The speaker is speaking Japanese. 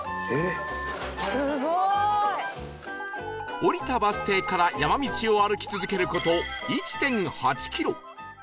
降りたバス停から山道を歩き続ける事 １．８ キロ